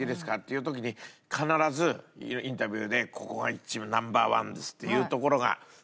いう時に必ずインタビューでここがナンバー１ですっていう所が。